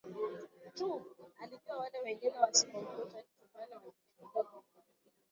Alijua wale wengine wasipomkuta chumbani wangeshuka kumtafuta